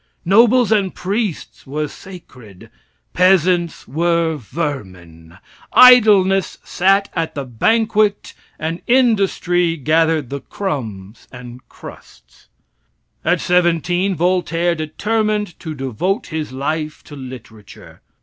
Nobles and priests were sacred. Peasants were vermin. Idleness sat at the banquet and industry gathered the crumbs and crusts. At 17 Voltaire determined to devote his life to literature.